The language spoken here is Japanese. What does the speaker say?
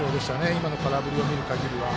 今の空振りを見るかぎりは。